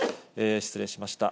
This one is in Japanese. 失礼しました。